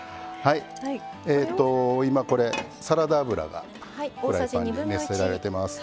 今これサラダ油がフライパンに熱せられてます。